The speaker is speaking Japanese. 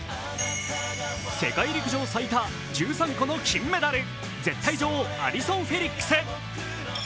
世界陸上最多１３個目の金メダル絶対女王・アリソン・フェリックス。